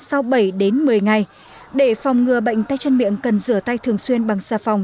sau bảy đến một mươi ngày để phòng ngừa bệnh tay chân miệng cần rửa tay thường xuyên bằng xà phòng